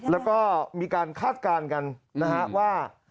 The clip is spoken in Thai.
แล้วก็มีการคาดการณ์กันนะฮะว่า